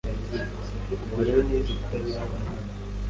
Ubwo rero nize kutabiha umwanya